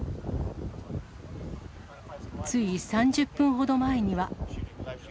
つい３０分ほど前には。